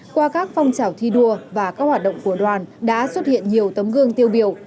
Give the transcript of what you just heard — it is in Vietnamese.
qua các phong trào thi đua và các hoạt động của đoàn đã xuất hiện nhiều tấm gương tiêu biểu